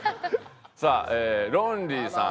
さあロンリーさん